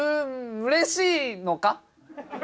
うれしいのか？